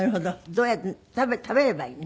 どうやって食べればいいの？